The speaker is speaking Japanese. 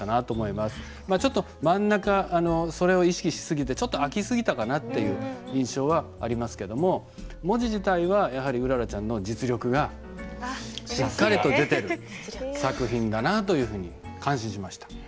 まあちょっと真ん中それを意識し過ぎてちょっと空き過ぎたかなっていう印象はありますけども文字自体はやはりうららちゃんの実力がしっかりと出てる作品だなというふうに感心しました。